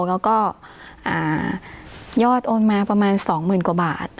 แล้วก็ยอดโอนมาประมาณ๒๐๐๐กว่าบาท